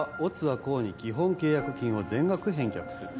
乙は甲に基本契約金を全額返却する